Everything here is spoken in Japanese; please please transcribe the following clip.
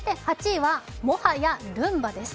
続いて８位は、もはやルンバです。